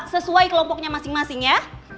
sesuai kelompoknya masing masing ya